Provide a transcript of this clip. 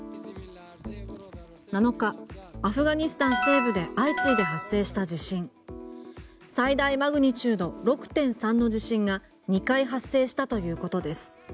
７日アフガニスタン西部で相次いで発生した地震最大マグニチュード６．３の地震が２回発生したということです。